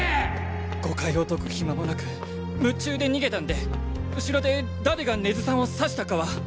誤解を解く暇もなく夢中で逃げたんで後ろで誰が根津さんを刺したかは。